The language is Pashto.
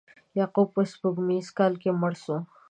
یعقوب په سپوږمیز کال کې مړ شو.